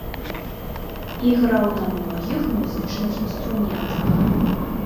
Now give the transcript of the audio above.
Іграў на многіх музычных інструментах.